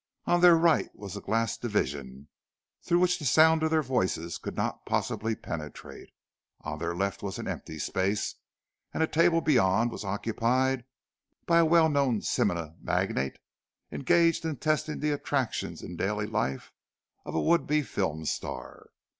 On their right was a glass division, through which the sound of their voices could not possibly penetrate. On their left was an empty space, and a table beyond was occupied by a well known cinema magnate engaged in testing the attractions in daily life of a would be film star.